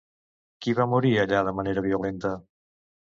Qui va morir allà de manera violenta?